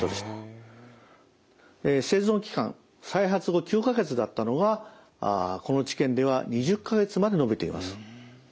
生存期間再発後９か月だったのがこの治験では２０か月まで延びています。